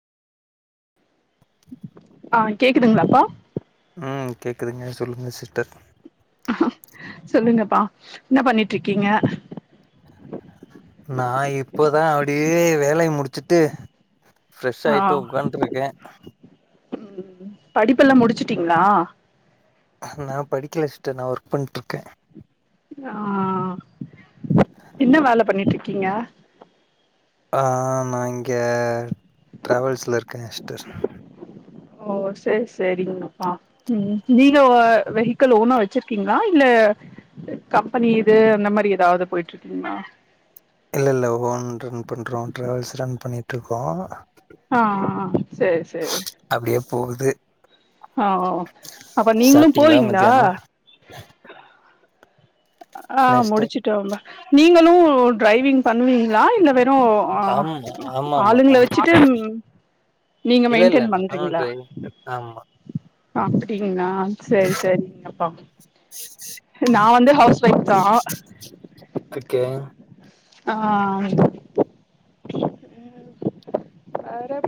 ஆ கேக்குதுங்ளாப்பா ம் கேக்குதுங்க சொல்லுங்க சிஸ்டர் சொல்லுங்கப்பா என்ன பண்ணிட்ருக்கிங்க நா இப்பதா அப்டியே வேலய முடிச்சுட்டு ஃப்ரெஷ் ஆ ஆய்ட்டு ஒக்காண்ட்ருக்கே ம் படிப்பெல்லா முடிச்சுட்டீங்ளா? நா படிக்கல சிஸ்ட நா ஒர்க் பண்ட்ருக்கே ஆ என்ன வேல பண்ணிட்ருக்கீங்க ஆ நா இங்க ட்ராவல்ஸ்ல இருக்கே சிஸ்டர் ஓ சேரி சேரிங்கப்பா ம் நீங்க அ வெஹிக்கல் ஓனா வச்சுர்க்கிங்ளா இல்ல கம்பெனி இது அந்த மாரி ஏதாது போய்ட்டுருக்கிங்ளா இல்ல இல்ல ஓன் ரன் பண்றோ ட்ராவல்ஸ் ரன் பண்ணிட்ருக்கோ ஆ செரி செரி அப்டியே போகுது அ அப்ப நீங்களு சாப்ட்டீங்களா போவிங்ளா மத்தியானோ ஆ என்ன சிஸ்டர் முடிச்சுட்டோம்ப நீங்களு ட்ரைவிங் பண்ணுவீங்ளா இல்ல வெறு ஆ ஆமா ஆமா ஆமா ஆளுங்கள ஆமா வச்சுட்டு நீங்க இல்ல இல்ல மெயின்டெயின் நானு பண்றிங்ளா டிரைவிங் ஆமா அப்டிங்ளா சரி சரிங்கப்பா நா வந்து ஹவுஸ் ஒய்ஃப் தா ஒகே ஆ வேற